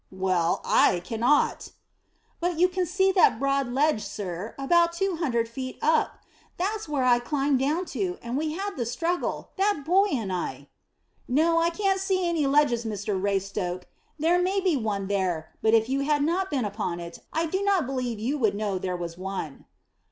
Well, I cannot!" "But you can see that broad ledge, sir, about two hundred feet up. That's where I climbed down to, and we had the struggle that boy and I." "No, I can't see any ledges, Mr Raystoke. There may be one there, but if you had not been upon it, I don't believe you would know that there was one."